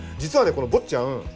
この「坊っちゃん」